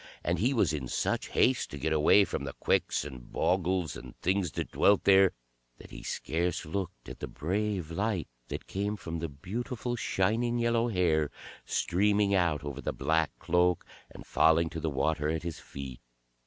And he was in such haste to get away from the Quicks, and Bogles, and Things that dwelt there, that he scarce looked at the brave light that came from the beautiful shining yellow hair, streaming out over the black cloak and falling to the water at his feet.